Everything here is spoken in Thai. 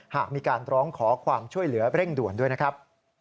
หากมีการร้องขอความช่วยเหลือเร่งด่วนด้วยนะครับ